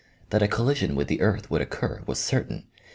That a collision with the earth would occur was certain.